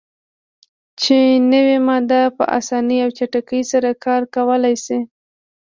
چې نوی ماده "په اسانۍ او چټکۍ سره کار کولای شي.